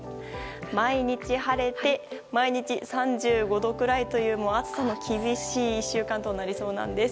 毎日晴れて毎日３５度くらいという暑さの厳しい１週間となりそうです。